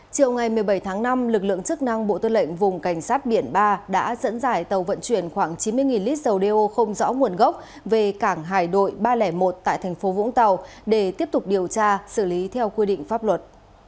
chiều ngày một mươi bảy tháng năm lực lượng chức năng bộ tư lệnh vùng cảnh sát biển ba đã dẫn dải tàu vận chuyển khoảng chín mươi lít dầu đeo không rõ nguồn gốc về cảng hải đội ba trăm linh một tại thành phố vũng tàu để tiếp tục điều tra xử lý theo quy định pháp luật